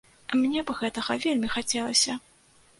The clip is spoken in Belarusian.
Мне б гэтага вельмі хацелася.